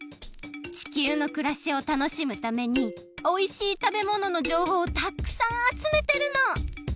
地球のくらしを楽しむためにおいしいたべもののじょうほうをたくさんあつめてるの！